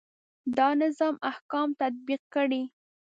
دا نظام احکام تطبیق کړي.